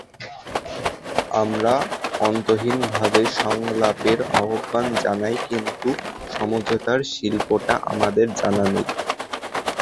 আমরা অন্তহীনভাবে সংলাপের আহ্বান জানাই কিন্তু সমঝোতার শিল্পটা আমাদের জানা নেই।